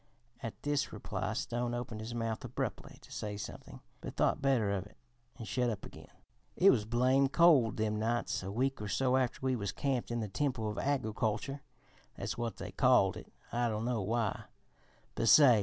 At this reply Stone opened his mouth abruptly to say something, but thought better of it and shut up again. "It was blame cold them nights a week or so after we was camped in the Temple of Agriculture (that's what they called it I dunno why), but say!